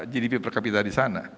gdp per kapita di sana